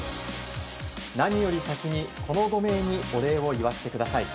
何より先に、この５名にお礼を言わせてください。